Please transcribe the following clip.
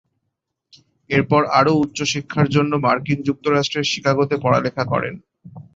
এরপর আরও উচ্চ শিক্ষার জন্য মার্কিন যুক্তরাষ্ট্রের শিকাগোতে পড়ালেখা করেন।